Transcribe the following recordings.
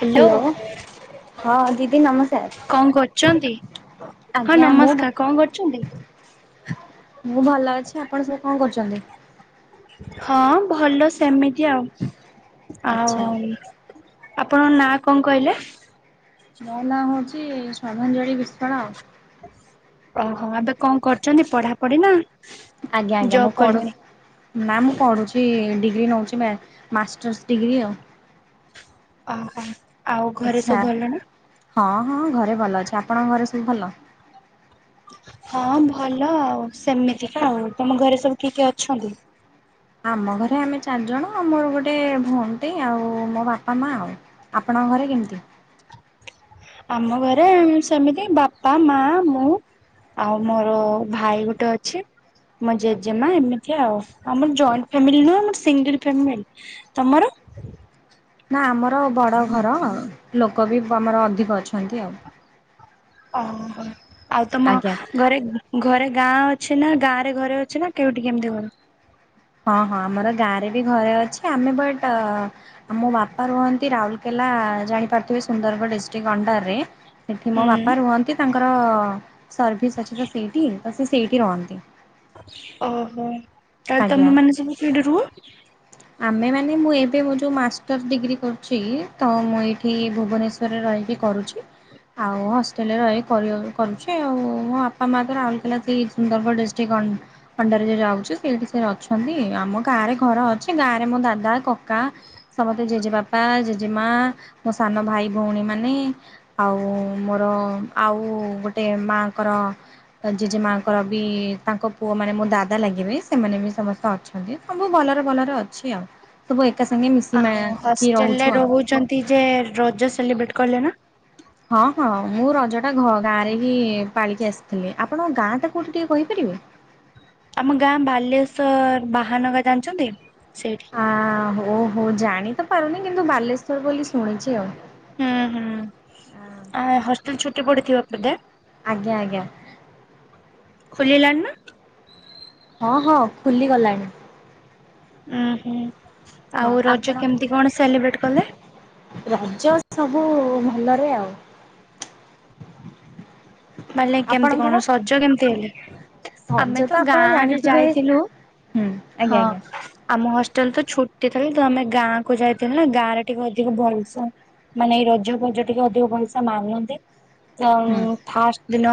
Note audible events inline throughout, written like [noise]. Hello. Hello ହଁ ଦିଦି ନମସ୍କାର। କଣ କରୁଚନ୍ତି ହଁ ଆଜ୍ଞା ମୁଁ ନମସ୍କାର କଣ କରୁଚନ୍ତି? ମୁଁ ଭଲ ଅଛି ଆପଣ ସବୁ କଣ କରୁଚନ୍ତି? ହଁ ଭଲ ସେମିତି ଆଉ ଆଚ୍ଛା। ଆଉ ଆପଣଙ୍କ ନାଁ କଣ କହିଲେ? ମୋ ନାଁ ହଉଚି ଶ୍ରଦ୍ଧାଞ୍ଜଳି ବିଶ୍ୱାଳ। ଓହୋ ଏବେ କଣ କରୁଛନ୍ତି ପଢାପଢି ନା? ଆଜ୍ଞା ଆଜ୍ଞା ମୁଁ ଜବ୍ ପଢୁ କଲେଣି? ନା ମୁଁ ପଢ଼ୁଛି ଡିଗ୍ରୀ ନୋଉଛି ମାଷ୍ଟର୍ସ ଡିଗ୍ରୀ ଆଉ। ଓହୋ ଆଉ ଘରେ ଆଚ୍ଛା ସବୁ ଭଲ ନା? ହଁ ହଁ ଘରେ ଭଲ ଅଛି ଆପଣଙ୍କ ଘରେ ସବୁ ଭଲ? ହଁ ଭଲ ଆଉ ସେମିତି କା ଆଉ ତମ ଘରେ ସବୁ କିଏ କିଏ ଅଛନ୍ତି? ଆମ ଘରେ ଆମେ ଚାରିଜଣ ଆ ମୋର ଗୋଟେ ଭଉନି ଟେ ଆଉ ମୋ ବାପା ମାଆ ଆଉ। ଆପଣଙ୍କ ଘରେ କେମିତି? ଆମ ଘରେ ସେମିତି ବାପା ମାଆ ମୁଁ। ଆଉ ମୋର ଭାଇ ଗୋଟେ ଅଛି। ମୋ ଜେଜେମା ଏମିତି ଆଉ ଆମର ଜଏଣ୍ଟ ଫ୍ୟାମିଲି ନୁହଁ ଆମର ସିଙ୍ଗିଲ୍ ଫ୍ୟାମିଲି। ତମର? ନା ଆମର ବଡ଼ ଘର ଲୋକ ବି ଆମର ଅଧିକ ଅଛନ୍ତି ଆଉ। ଓହୋ ଆଉ ତମ ଆଜ୍ଞା। ଘରେ ଘରେ ଗାଁ ଅଛି ନା ଗାଁ ରେ ଘରେ ଅଛି ନା କେଉଠି କେମିତି ଘର? ହଁ ହଁ ଆମର ଗାଁରେ ବି ଘରେ ଅଛି ଆମେ ବଟ୍ ଆ ମୋ ବାପା ରୁହନ୍ତି ରାଉରକେଲା ଜାଣିପାରୁଥିବେ ସୁନ୍ଦରଗଡ଼ ଡିଷ୍ଟ୍ରିକ୍ଟ ଅଣ୍ଡର ରେ ସେଇଠି ମୋ ହୁଁ ବାପା ରୁହନ୍ତି ତାଙ୍କର ସର୍ଭିସ୍ ଅଛି ତ ସେଇଠି ତ ସେ ସେଇଠି ରହନ୍ତି। ଓହୋ ତାହାଲେ ଆଜ୍ଞା ତମେ ମାନେ ସବୁ ଫିଡ୍‌ ରୁହ। ଆମେ ମାନେ ମୁଁ ଏବେ ମୋ ଯୋଉ ମାଷ୍ଟର୍ସ ଡିଗ୍ରୀ କରୁଛି ତ ମୁଁ ଏଇଠି ଭୁବନେଶ୍ୱର। ଭିତରେ ରହିକି କରୁଛି। ଆଉ ହଷ୍ଟେଲରେ ରହି କରି କରୁଛି ଆଉ ମୋ ବାପା ମାଆ ତ ରାଉଲକେଲା ସେ ସୁନ୍ଦରଗଡ଼ ଡିଷ୍ଟ୍ରିକ୍ଟ ଅଣ୍ଡାର ଯୋଉ ଯାଉଛି ସେଇଠି ସେ ଅଛନ୍ତି ଆମ ଗାଁ ରେ ଘର ଅଛି ଗାଁ ରେ ମୋ ଦାଦା କକା। ସମତେ ଜେଜେ ବାପା ଜେଜେ ମା ମୋ ସାନ ଭାଇ ଭଉଣୀମାନେ। ଆଉ ମୋର ଆଉ ଗୋଟେ ମାଙ୍କର ଜେଜେମାଙ୍କର ବି ତାଙ୍କ ପୁଅ ମାନେ ମୋ ଦାଦା ଲାଗିବେ। ସେମାନେ ବି ସମସ୍ତେ ଅଛନ୍ତି ସବୁ ଭଲରେ ଭଲରେ ଅଛି ଆଉ। ସବୁ ଏକାସଙ୍ଗେ ମିଶି ମିକି ରହୁଛୁ ଆଉ। ତି ଯେ ରଜ ସେଲିବ୍ରେଟ୍ କଲେ ନା। ହଁ ହଁ ମୁଁ ରଜଟା ଗାଁରେ ହିଁ ପାଳିକି ଆସିଥିଲି ଆପଣଙ୍କ ଗାଁ ଟା କୋଉଠି ଟିକେ କହିପାରିବେ? ଆମ ଗାଁ ବାଲେଶ୍ଵର ବାହାନଗାଁ ଜାଣିଛନ୍ତି ସେଇଠି। ହାଁ ହୋ ହୋଉ ଜାଣି ତ ପାରୁନି କିନ୍ତୁ ବାଲେଶ୍ଵର ବୋଲି ଶୁଣିଛି ଆଉ। ହୁଁ ହୁଁ ଆ ହଷ୍ଟେଲ ଛୁଟି ପଡ଼ିଥିବା ବୋଧେ। ଆଜ୍ଞା ଆଜ୍ଞା। ଖୋଲିଲାଣି ନା। ହଁ ହଁ ଖୁଲି ଗଲାଣି। ଉଁ ହୁଁ ହଁ ଆଉ ରଜ ଆପଣ କେମିତି କଣ ସେଲିବ୍ରେଟ କଲେ? ରଜ ସବୁ ଭଲରେ ଆଉ। ମାନେ କେମିତି ଆପଣଙ୍କର? କଣ ସଜ କେମିତି ହେଲେ ରଜ ଆମେ ତ ଆପଣ ଗାଁରେ ଜାଣିଥିବେ ଯାଇଥିଲୁ। ହୁଁ ଆଜ୍ଞା ହଁ। ଆଜ୍ଞା ଆମ ହଷ୍ଟେଲ ତ ଛୁଟି ଥିଲା ତ ଆମେ ଗାଁ କୁ ଯାଇଥିଲୁ ନା ଗାଁ ରେ ଟିକେ ଅଧିକ ଭଲସେ ମାନେ ଏଇ ରଜ ଫଜ ଟିକେ ଅଧିକ ପଇସା ମାଗନ୍ତି। ହୁଁ। ଫାଷ୍ଟ ଦିନ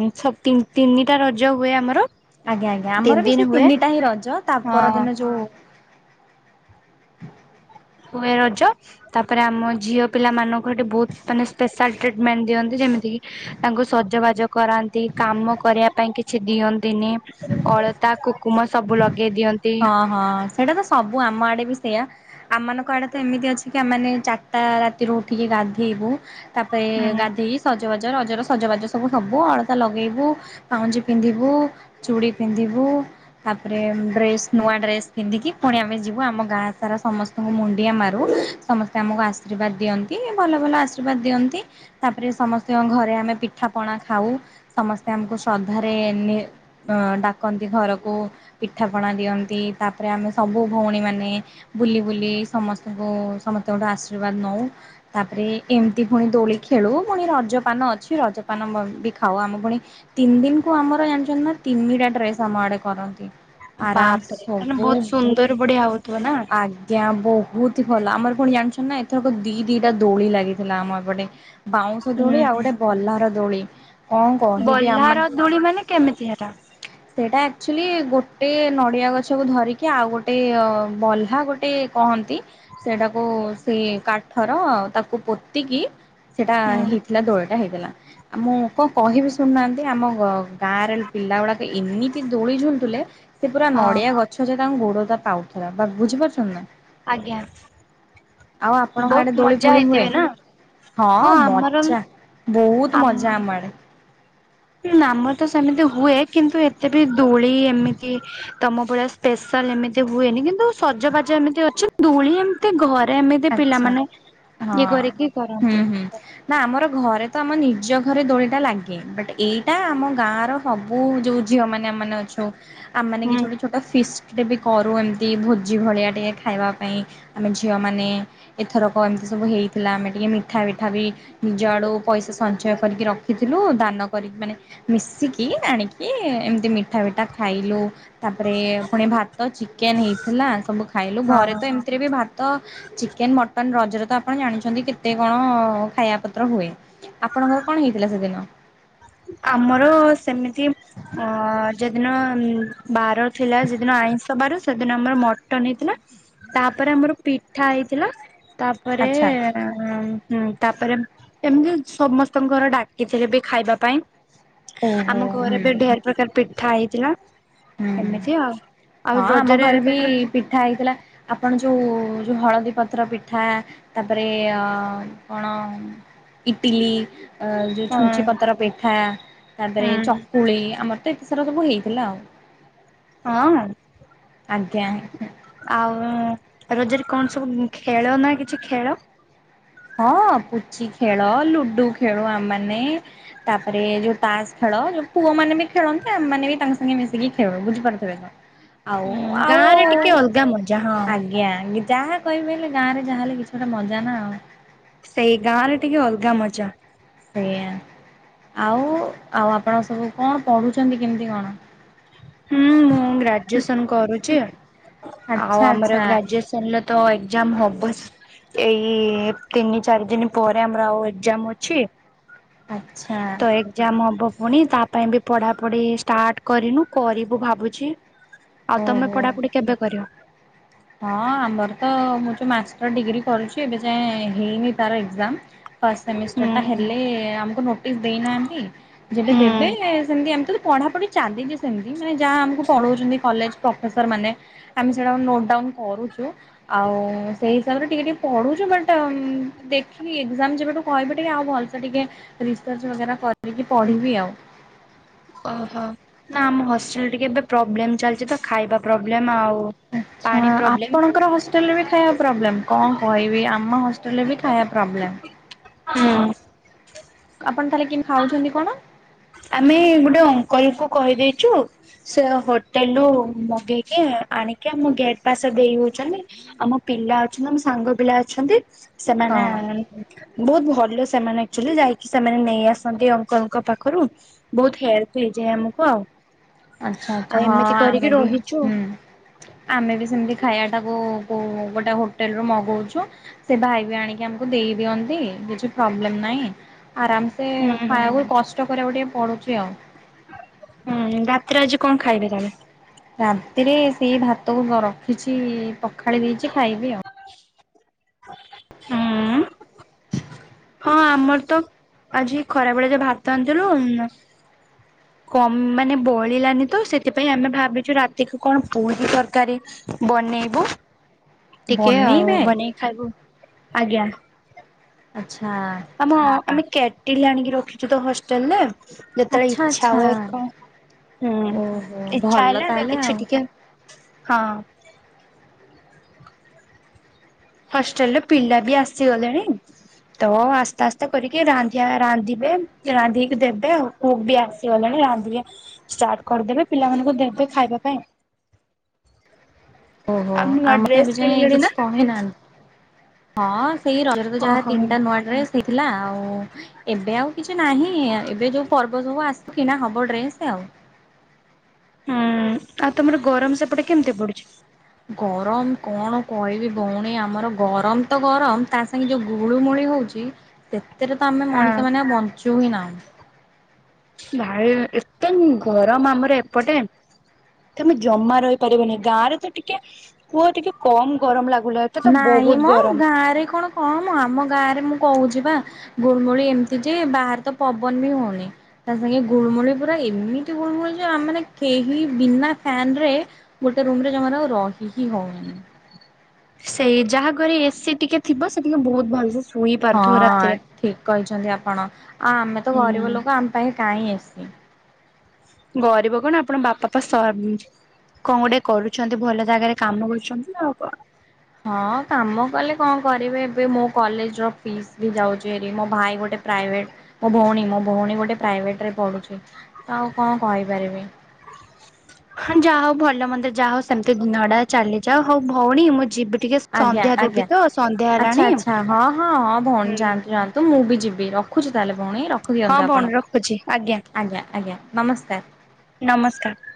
ଉ ତିନିଟା ରଜ ହୁଏ ଆମର। ଆଜ୍ଞା ଆଜ୍ଞା ଆମର ତିନି ବି ଦିନ ସେ ହୁଏ ତିନିଟା ହିଁ ରଜ ତା ହଁ ପରଦିନ ଯୋଉ ହୁଏ ରଜ ତାପରେ ଆମ ଝିଅ ପିଲାମାନାନଙ୍କୁ ଏଠି ବହୁତ ମାନେ ସ୍ପେଶାଲ ଟ୍ରିଟମେଣ୍ଟ ଦିଅନ୍ତି। ଯେମିତି ତାଙ୍କୁ ସଜବାଜ କରାନ୍ତି, କାମ କରିବା ପାଇଁ କିଛି ଦିଅନ୍ତି ଦିନେ ଅଳତା କୁକୁମ ସବୁ ଲଗେଇ ଦିଅନ୍ତି। ଓହଁ ସେଇଟା ତ ସବୁ ଆମ ଆଡେ ବି ସେଇୟା। ଆମ ମାନଙ୍କ ଆଡେ ତ ଏମିତି ଅଛି କି ଆମେ ଚାରିଟା ରାତିରୁ ଉଠିକି ଗାଧେଇବୁ। ତାପରେ ହୁଁ ଗାଧେଇ ସଜବାଜ ରଜର ସଜବାଜ ସବୁ ହବୁ ଅଳତା ଲଗେଇବୁ ପାଉଁଜି ପିନ୍ଧିବୁ। ଚୁଡ଼ି ପିନ୍ଧିବୁ ତାପରେ ଡ୍ରେସ ନୂଆ ଡ୍ରେସ ପିନ୍ଧିକି ପୁଣି ଆମେ ଯିବୁ ଆମ ଗାଁ ସାରା ସମସ୍ତଙ୍କୁ ମୁଣ୍ଡିଆ ମାରୁ। ସମସ୍ତେ ଆମକୁ ଆଶୀର୍ବାଦ ଦିଅନ୍ତି ଭଲ ଭଲ ଆଶୀର୍ବାଦ ଦିଅନ୍ତି। ତାପରେ ସମସ୍ତଙ୍କ ଘରେ ଆମେ ପିଠା ପଣା ଖାଉ ସମସ୍ତେ ଆମକୁ ଶ୍ରଦ୍ଧାରେ ଡାକନ୍ତି ଘରକୁ ପିଠାପଣା ଦିଅନ୍ତି ତାପରେ ଆମେ ସବୁ ଭଉଣୀମାନେ ବୁଲି ବୁଲି ସମସ୍ତଙ୍କୁ ସମସ୍ତଙ୍କଠୁ ଗୋଟେ ଆଶୀର୍ବାଦ ନଉ। ତାପରେ ଏମିତି ପୁଣି ଦୋଳି ଖେଳୁ ପୁଣି ରଜପାନ ଅଛି ରଜପାନ ବି ଖାଉ ଆମ ପୁଣି ତିନି ଦିନ କୁ ଆମର ଜାଣିଛନ୍ତି ନା ତିନିଟା ଡ୍ରେସ ଆମ ଆଡେ କରନ୍ତି। ଆରାମସେ ବାପରେ ତାନେ ସବୁ ବହୁତ ସୁନ୍ଦର ବଢଆ ହଉଥିବ ନା। ଆଜ୍ଞା ବହୁତ ଭଲ ଆମର ଫୁଣି ଜାଣିଛ ନା ଏଥରକ ଦି ଦିଟା ଦୋଳି ଲାଗିଥିଲା ଆମ ଏପଟେ। ବାଉଁଶ ହୁଁ ଦୋଳି ଆଉ ଗୋଟେ ବଲାର ଦୋଳି। କଣ କହିବି ବହ୍ଲା ଆମ ର ଦୂଳି ମାନେ କେମିତି ହେଟା? ସେଇଟା ଆକ୍ ଚୁଲି ଗୋଟେ ନଡ଼ିଆ ଗଛ୍ ଛ କୁ ଧରିକି ଆଉ ଗୋଟେ ଅ ବଲ୍ଲା ଗୋଟେ କହନ୍ତ୍ ନ୍ତି ସେଟାକୁ ସେଇ କାଠର ତାକୁ ପୋତିକି। ସେଟା ହୁଁ। ହେଇଥିଲା ଦୋଳଟା ହେଇଥିଲା। ଆ ମୁଁ କଁ କହିବି ଶୁଣୁନାହାନ୍ତି, ଆମ ଘ ଗାଁରେ ପିଲା ଗୁଡାକ ଏମିତି ଦୋଳି ଝୁଲୁଥିଲେ। ସେ ପୁରା ହଁ ନଡିଆ ଗଛଜାଏ ତାଙ୍କ୍ ଗୋଡଟା ପାଉଥିଲା ବା ବୁଝିପାରୁଚନ୍ତିି ନା? ଆଜ୍ଞା। ଆଉ ଆପଣଙ୍କ ବହୁତ ଆଡେ ଦୋଳି ମଜା ଫୋଳି ହୁଏ? ହେଇଥିବେ ନା? ହଁ ମଜା ବୋହୁତ୍ ମଜା ଆମ ଆଡେ। ଆମର ତ ସେମିତି ହୁଏ କିନ୍ତୁ ଏତେ ବି ଦୋଳି ଏମିତି ତମ ଭଳିଆ ସ୍ପେଶାଲ୍ ଏମିତି ହୁଏନି କିନ୍ତୁ ସଜବାଜ ଏମିତି ଅଛି ଦୂଳିଏ ତି ଘରେ ଏମିତି ଆଚ୍ଛା। ପିଲାମାନେ ହଁ ଇଏ କରିକି ହୁଁ କରନ୍ତି। ହୁଁ। ନା ଆମର ଘରେ ତ ଆମ ନିଜ ଘରେ ଦୋଳିଟା ଲାଗେ ବଟ୍ ଏଇଟା ଆମ ଗାଁର ସବୁ ଯୋଉ ଝିଅ ମାନେ ଆମାନେ ଅଛୁ ଆମମାନେ କିଛୁ ହୁଁ। ଗୋ ଛୋଟ ଫିଷ୍ଟ୍ ଟେ ବି କରୁ ଏନ୍ତି ଭୋଜି ଭଳିଆ ଟିଏ ଖାଇବା ପାଇଁ ଆମେ ଝିଅମାନେ। ଏଥରକ ଏମିତି ସବୁ ହେଇଥିଲା ଆମେ ଟିକେ ମିଠା ବିଠା ବି ନିଜ ଆଡୁ ପଇସା ସଞ୍ଚୟ କରିକି ରଖିଥିଲୁ ଦାନ କରିକି ମାନେ ମିଶିକି ଆଣିକି ଏମ୍ ତି ମିଠା ବିଠା ଖାଇଲୁ। ତାପରେ ପୁଣି ଭାତ ଚିକେନ୍ ହେଇଥିଲା ସବୁ ଖାଇଲୁ ଘରେ ହଁ। ତ ଏମିତିରେ ବି ଭାତ ଚିକେନ୍, ମଟନ୍ ରଜରେ ତ ଆପଣ ଜାଣିଛନ୍ତି କେତେ କଣ ଖାଇବା ପତ୍ର ହୁଏ। ଆପଣଙ୍କର କଣ ହେଇଥିଲା ସେଦିନ? ଆମର ସେମିତି ଅଁ ଯେଦିନ ବାର ଥିଲା ସେଦିନ ଆଇଁଷ ବାରସ୍ ସେଦିନ ଆମର ମଟନ ହେଇଥିଲା ତାପରେ ଆମର ପିଠା ହେଇଥିଲା ତାପରେଏ ଆଚ୍ଛା ହୁଁ ହଁ ତାପରେ ଏମ୍ ତି ସମସ୍ତଙ୍କର ଡାକିଥିଲେ ବି ଖାଇବା ପାଇଁ। ଓହୋ ଆମ ଘରେ ହୁଁ ବି ଢେର୍ ପ୍ରକାର ପିଠା ହେଇଥିଲା। ହୁଁ ହୁଁ ଏମିତି ଆଉ, ହଁ ଆଉ ଆମ ରଜରେ ଘରେ ବି ତମରକ୍ ପିଠା ହେଇଥିଲା ଆପଣ ଯୋଉ ଯୋଉ ହଳଦୀ ପତ୍ର ପିଠା। ତାପରେ ଅଁ କଣ ଇଟିଲି। ଆ ଯୋଉ ଛୁଞ୍ଚି ପତର ପିଠା। ତାପରେ ହୁଁ ଚକୁଳି ଆମର ତ ଏତେ ସାରା ସବୁ ହେଇଥିଲା ଆଉ। ହଁ ଅଁ। ଆଜ୍ଞା। ଆଉ ରଜରେ କଣ ସବୁ ଖେଳ ନା କିଛି ଖେଳ ହଁ ପୁଚି ଖେଳ, ଲୁଡୁ ଖେଳୁ ଆମ୍ ମାନେ। ତାପରେ ଯୋଉ ତାସ୍ ଖେଳ ଯୋଉ ପୁଅ ମାନେ ବି ଖେଳନ୍ତି ଆମମାନେ ବି ତାଙ୍କ ସାଙ୍ଗରେ ମିଶିକି ଖେଳୁ ବୁଝିପାରୁଥିବେ। ତ ଆଉ ହୁଁ ଆଉ ଗାଁ ରେ ଟିକେ ଅଲ୍ ଗା ମଜା ହଁ। ଆଜ୍ଞା ଗିଚା ଯାହା କହିବେ ହେଲେ ଗାଁରେ ଯାହାହେଲେ କିଛି ଗୋଟେ ମଜା ନା ଆଉ। ସେଇ ଗାଁ ରେ ଟିକେ ଅଲ୍ ଗା ମଜା। ସେଇଆ। ଆଉଁ ଆଉ ଆପଣ ସବୁ କଣ ପଢୁଚନ୍ତି କେମିତି କଣ? ହୁଁ ମୁଁ ଗ୍ରାଜୁଏସନ୍ କରୁଚି ଆଉ ଆଚ୍ଛା ଆମର ଆଚ୍ଛା ଗ୍ରାଜୁଏସ୍ ହେଲ ତ ଏକ୍ଜାମ ହବ ବସ୍ ଏଇ ଇ ତିନି ଚାରି ଦିନ୍ ପରେ ଆମର ଆଉ ଏଗ୍ଜାମ୍ ଅଛି। ଆଛା। ଯାମ୍ ହବ ପୁଣି ତା ପାଇଁ ବି ପଢା ପଢି ଷ୍ଟାର୍ଟ କରିନୁ କରିବୁ ଭାବୁଛି। ଆଉ ତମେ ଓହୋ। ପଢାପଢି କେବେ କରିବ? ହଁ ଆମର ତ ମୁଁ ଯୋଉ ମାଷ୍ଟର୍ ଡିଗ୍ରୀ କରୁଛି ଏବେ ଯାଏଁ ହେଇନି ତାର ଏକ୍ଜାମ୍। ଫାଷ୍ଟ ସେମିଷ୍ଟର ହୁଁ ଟା ହେଲେ ଆମକୁ ନୋଟିସ୍ ଦେଇନାହାନ୍ତି। ଯେବେ ଦେବେ ହୁଁ ସେମିତି ଏମିତି ତ ପଢାପଢି ଚାଲିଚି ସେମିତି ମାନେ ଯାହା ଆମକୁ ପଢାଉଛନ୍ତି କଲେଜ ପ୍ରଫେସର ମାନେ ଆମେ ସେଟାକୁ ନୋଟ୍ ଡାଉନ୍ କରୁଛୁ ଆଉ ସେଇ ହିସାବରେ ଟିକେ ଟିକେ ପଢ଼ୁଛୁ ବଟ୍ ଦେଖିକି ଏକ୍ଜାମ ଯେବେଠୁ କହିବେ ଟିକେ ଆଉ ଭଲ୍ ସେ ଟିକେ ରିସର୍ଚ୍ ବଗେରା କରିକି ପଢିବି ଆଉ। ଓହୋ ନା ଆମ ହଷ୍ଟେଲ୍ ଟିକେ ଏବେ ପ୍ରୋବ୍ଲେମ୍ ଚାଲିଛି ତ ଖାଇବା ପ୍ରୋବ୍ଲେମ୍ ଆଉ ଆଚ୍ଛା ପାଣି ପ୍ରୋବ୍ଲେମ ଆପଣଙ୍କର ହଷ୍ଟେଲ୍ ରେ ବି ଖାଇବା ପ୍ରୋବ୍ଲେମ୍, କଁ କହିବି ଆମ ହସ୍ ହେଲେ ବି ଖାଇବା ପ୍ରୋବ୍ଲେମ୍। ହୁଁ। ଆପଣ ତାହେଲେ କେମିତି ଖାଉଛନ୍ତି କଣ? ଆମେ ଗୋଟେ ଅଙ୍କଲ୍ କୁ କହିଦେଇଚୁ ସେ ହୋଟେଲ୍ ରୁ ମଗେଇକି ଆଣିକି ଆମ ଗେଟ ପାସେ ଦେଇ ଦୋଉଚନ୍ତି। ଆମ ପିଲା ଅଛ ଆମ ସାଙ୍ଗ ପିଲା ଅଛନ୍ତି। ସେମାନେ ବୋହୁତ୍ ଭଲ ସେମାନେ ଆକ୍ଚୁଲି ଯାଇକି ସେମାନେ ନେଇ ଆସ୍। ନ୍ତି ଅଙ୍କଲ୍ ଙ୍କ ପାଖରୁ ବୋହୁତ୍ ହେଲ୍ପ୍ ହେଇଯାଏ ଆମକୁ ଆଉ। ଆଚ୍ଛା ଆଉ ଆଚ୍ଛା ହଁ ଏମିତି କରିକି ଆମେ ବି ରହିଛୁ। ହୁଁ। ଆମେ ବି ସେମିତି ଖାଇବା ଟାକୁ କୋଉ ଗୋଟେ ହୋଟେଲ ରୁ ମଗୋଉଚୁ। ସେ ଭାଇ ବି ଆଣିକି ଆମକୁ ଦେଇ ଦିଅନ୍ତି କିଛି ପ୍ରୋବ୍ଲେମ୍ ନାହିଁ ଆରାମ୍ ସେ ହୁଁ ହୁଁ ଖାଇବାକୁ କଷ୍ଟ କରିବାକୁ ଟିକେ ପଡ଼ୁଛି ଆଉ। ହୁଁ ରାତିରେ ଆଜି କଣ ଖାଇବେ ତାହେନେ। ରାତିରେ ସେଇ ଭାତକୁ ରଖିଛି ପଖାଳି ଦେଇକି ଖାଇବି ଆଉ। ହୁଁ। ହଁ ଆମର୍ ତ ଆଜି ଖରାବେେଳେ ତ ଭାତ ଆଣିଥିଲୁ। କମ୍ ମାନେ ବଳିଲାନି ତ ସେଥିପାଇଁ ଆମେ ଭାବିଛୁ ରାତିକୁ କଣ ପୁରୀ ତରକାରୀ ବନେଇବୁ ଟିକେ ଆଉ ବନେଇବେ ବନେଇ ଖାଇବୁ ଆଜ୍ଞା ଆଚ୍ଛା ଆମ ଆମେ କ୍ୟାଟିଲ ଆଣିକି ରଖିଛୁ ତ ହଷ୍ଟେଲରେ ଯେତେବେଳେ ଆଚ୍ଛା ଇଚ୍ଛା ଆଚ୍ଛା। ହୁଏ କଣ ହୁଁ ଓହୋ ଇଚ୍ଛା ଭଲ ହେଲେ ଆମେ ତାହେଲେ ଆଉ କିଛି ଟିକେ ହଁ ହଷ୍ଟେଲରେ ପିଲା ବି ଆସିଗଲେଣି ତ ଆସ୍ତେ ଆସ୍ତେ କରିକି ରାନ୍ଧିଆ ରାନ୍ଧିବେ ରାନ୍ଧିକି ଦେବେ ଆଉ କୁକ୍ ବି ଆସିଗଲାଣି ରାନ୍ଧିକି ଷ୍ଟାର୍ଟ କରିଦେବେ ପିଲାମାନଙ୍କୁ ଦେବେ ଖାଇବା ପାଇଁ [inaudible] ଓହୋ ନୂଆ ଆମର ଡ୍ରେସ ଏବେ ଯାଏଁ କିଣିଲେଣି କିଛି ନା କହିନାହାନ୍ତି ହଁ ସେଇ ର ଯାହା ଓହୋ ହୁଁ ତିନିଟା ନୂଆ ଡ୍ରେସ୍ ହେଇଥିଲା ଆଉ ଏବେ ଆଉ କିଛି ନାହିଁ ଏବେ ଯୋଉ ପର୍ବ ସବୁ ଆସୁ କିଣା ହବ ଡ୍ରେସ ଆଉ ହୁଁ ଆଉ ତମର ଗରମ ସେପଟେ କେମିତି ପଡୁଛି ଗରମ କଣ କହିବି ଭଉଣୀ ଆମର ଗରମ ତ ଗରମ ତା ସାଙ୍ଗେ ଯୋଉ ଗୁଳୁଗୁଳି ହଉଛି ସେତେରେ ତ ଆମେ ହଁ ମଣିଷ ମାନେ ବଞ୍ଚୁ ହିଁ ନାହୁଁ ଭାଇ ଏତେ ଗରମ ଆମର ଏପଟେ ତମେ ଜମା ରହିପାରିବନି ଗାଁ ରେ ତ ଟିକେ କୁହ ଟିକେ କମ୍ ଗରମ ଲାଗୁଲା ଏତେ ତ ନାଇଁ ବହୁତ ମ ଗରମ। ଗାଁରେ କଣ ହଁ ମୁଁ ଆମ ଗାଁରେ ମୁଁ କହୁଛି ବା ଗୁଳମୁଳି ଏମିତି ଯେ ବାହାରେ ତ ପବନ ବି ହଉନି ତା ସାଙ୍ଗେ ଗୁଳମୁଳି ପୁରା ଏମିତି ଗୁଳମୁଳି ଯେ ଆମ ମାନେ କେହି ବିନା ଫ୍ୟାନ ରେ ଗୋଟେ ରୁମରେ ଜମାରୁ ଆଉ ରହି ହିଁ ହଏନି ସେଇ ଯାହା ଘରେ ଏସିି ଟିକେ ଥିବ ସେ ଟିକେ ବହୁତ ଭଲସେ ଶୋଇ ହଁ ପାରୁଥିବ ରାତିରେ। ଠିକ କହିଛନ୍ତି ଆପଣ ଆ ଆମେ ତ ଗରିବ ହୁଁ ଲୋକ ଆମ ପାଇଁ କାହିଁ ଏସି ଗରିବ କଣ ଆପଣ ବାପା ପା ସରପଞ୍ଚ କଣ ଗୋଟେ କରୁଛନ୍ତି ଭଲ ଜାଗାରେ କାମ କରୁଛନ୍ତି ନା ଆଉ କଣ ହଁ କାମ କଲେ କଣ କରିବେ ଏବେ ମୋ କଲେଜର ଫିସ୍ ବି ଯାଉଛି ଭାରି ମୋ ଭାଇ ଗୋଟେ ପ୍ରାଇଭେଟ ମୋ ଭଉଣୀ ମୋ ଭଉଣୀ ଗୋଟେ ପ୍ରାଇଭେଟରେ ପଢୁଛି ଆଉ କଣ କହିପାରିବି [inaudible] ହଁ ଯାହା ହଉ ଭଲ ମନ୍ଦିର ଯାହା ହଉ ସେମିତି ଦିନଟା ଚାଲିଯାଉ ହଉ ଭଉଣୀ ମୁଁ ଯିବି ଟିକେ ଆଜ୍ଞା ସନ୍ଧ୍ୟା ଦେବି ଆଜ୍ଞା ତ ସନ୍ଧ୍ୟା ହେଲାଣି। ଆଚ୍ଛା ଆଚ୍ଛା ହଁ ହଁ ହଁ ଭଉଣୀ ହୁଁ। ଯାଆନ୍ତୁ ଯାଆନ୍ତୁ ତୁ ମୁଁ ବି ଯିବି ରଖୁଛିୁ ତାହେଲେ ଭଉଣୀ ହଁ ରଖିଦିଅନ୍ତୁ ଭଉଣୀ ଆପଣ ରଖୁଛି ଆଜ୍ଞା ଆଜ୍ଞା ନମସ୍କାର ନମସ୍କାର